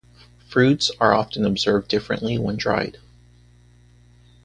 Fruits are often observed differently when dried.